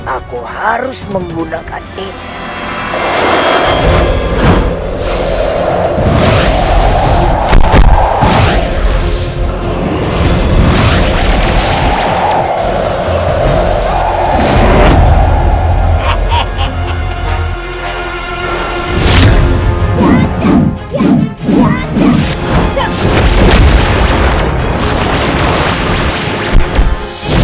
aku harus menggunakan ini